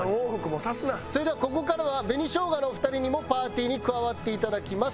それではここからは紅しょうがのお二人にもパーティーに加わっていただきます。